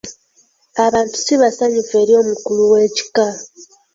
Abantu si basanyufu eri omukulu w'ekika.